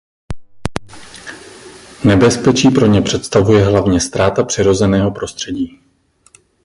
Nebezpečí pro ně představuje hlavně ztráta přirozeného prostředí.